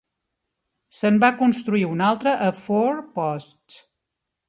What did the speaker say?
Se'n va construir un altre a Fourposts.